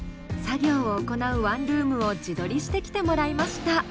作業を行うワンルームを自撮りしてきてもらいました。